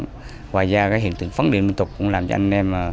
ngoài ra hiện tượng phấn điện bình tục cũng làm cho anh em